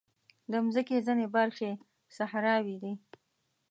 د مځکې ځینې برخې صحراوې دي.